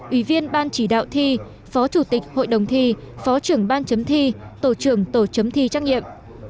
ủy viên ban chỉ đạo thi phó chủ tịch hội đồng thi phó trưởng ban chấm thi tổ trưởng tổ chấm thi trách nhiệm